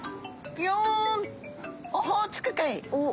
ピヨン。オホーツク海。